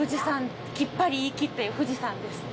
きっぱり言いきって富士山です。